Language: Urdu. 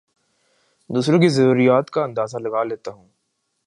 دوسروں کی ضروریات کا اندازہ لگا لیتا ہوں